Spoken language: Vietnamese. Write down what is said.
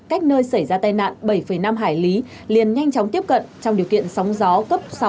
cách nơi xảy ra tai nạn bảy năm hải lý liền nhanh chóng tiếp cận trong điều kiện sóng gió cấp sáu